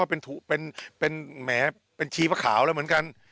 เป็นแหมเป็นชีพะขาวแล้วเหมือนกัน